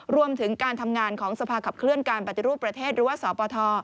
รวมถึงการทำงานของสภาขับเคลื่อนการปฏิรูปประเทศหรือว่าสปท